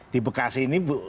di bekasi ini